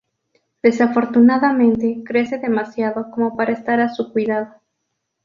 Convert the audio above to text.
Desafortunadamente, crece demasiado como para estar a su cuidado.